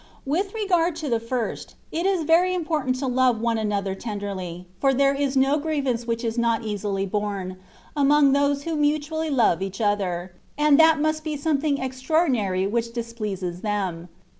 With regard to the first, it is very important to love one another tenderly, for there is no grievance which is not easily borne, among those who mutually love each other, and that must be something extraordinary which displeases them.